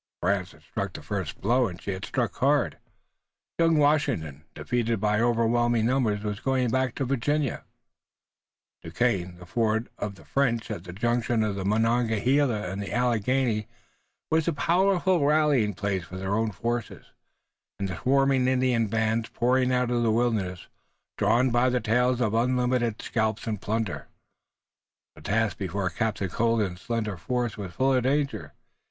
France had struck the first blow, and she had struck hard. Young Washington, defeated by overwhelming numbers, was going back to Virginia, and Duquesne, the fort of the French at the junction of the Monongahela and Allegheny, was a powerful rallying place for their own forces and the swarming Indian bands, pouring out of the wilderness, drawn by the tales of unlimited scalps and plunder. The task before Captain Colden's slender force was full of danger.